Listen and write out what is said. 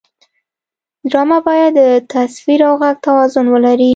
ډرامه باید د تصویر او غږ توازن ولري